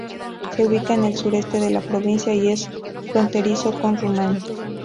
Se ubica en el sureste de la provincia y es fronterizo con Rumania.